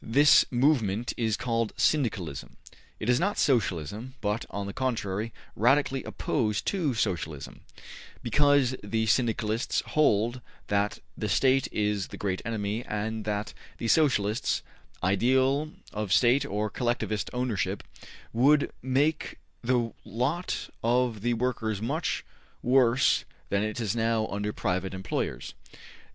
This movement is called Syndicalism. It is not Socialism, but, on the contrary, radically opposed to Socialism, because the Syndicalists hold that the State is the great enemy and that the Socialists' ideal of State or Collectivist Ownership would make the lot of the Workers much worse than it is now under private employers.